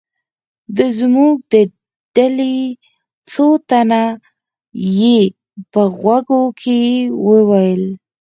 د زموږ د ډلې څو تنه یې په غوږ کې و ویل.